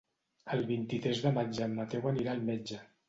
El vint-i-tres de maig en Mateu anirà al metge.